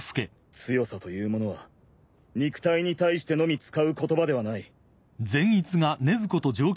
強さというものは肉体に対してのみ使う言葉ではない。